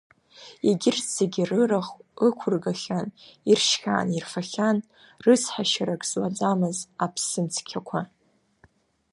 Егьырҭ зегьы рырахә ықәыргахьан, иршьхьан, ирфахьан рыцҳашьарак злаӡамыз аԥсымцқьақәа.